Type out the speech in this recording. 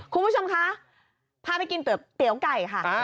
คุณผู้ชมคะพาไปกินเตี๋ยวไก่ค่ะ